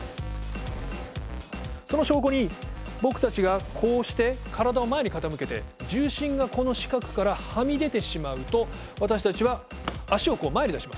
その証拠に僕たちがこうして体を前に傾けて重心がこの四角からはみ出てしまうと私たちは足を前に出します。